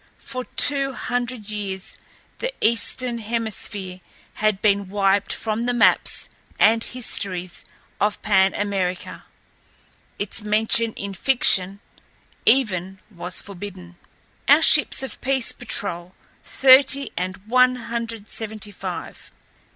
For two hundred years the Eastern Hemisphere had been wiped from the maps and histories of Pan America. Its mention in fiction, even, was forbidden. Our ships of peace patrol thirty and one hundred seventy five.